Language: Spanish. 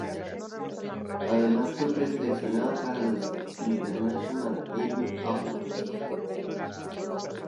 Además fue preseleccionada para los International Emmy Awards.